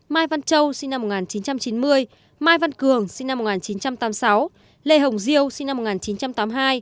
mai văn châu sinh năm một nghìn chín trăm chín mươi mai văn cường sinh năm một nghìn chín trăm tám mươi sáu lê hồng diêu sinh năm một nghìn chín trăm tám mươi hai